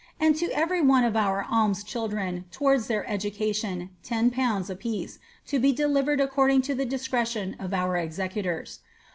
and to e^ery one of our alms children, towards their education, 10/. a piece, to be delivered according to the discretion of our execii' tors.